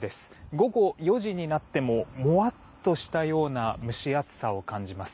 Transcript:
午後４時になってももわっとしたような蒸し暑さを感じます。